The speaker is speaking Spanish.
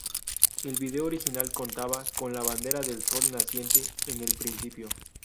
El vídeo original contaba con la bandera del Sol Naciente en el principio.